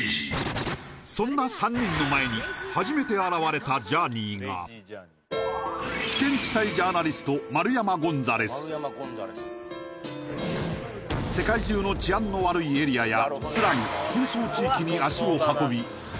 そんな３人の前に初めて現れたジャーニーが世界中の治安の悪いエリアやスラム紛争地域に足を運び